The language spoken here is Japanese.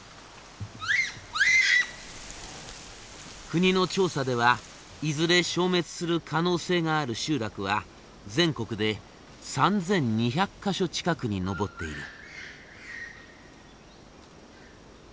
国の調査ではいずれ消滅する可能性がある集落は全国で３，２００か所近くに上っている。